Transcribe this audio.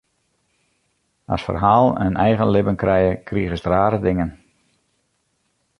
As ferhalen in eigen libben krije, krigest rare dingen.